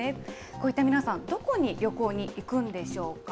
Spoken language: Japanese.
こういった皆さん、どこに旅行に行くんでしょうか。